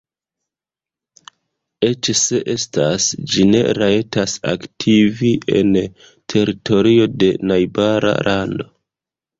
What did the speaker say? Eĉ se estas, ĝi ne rajtas aktivi en teritorio de najbara lando.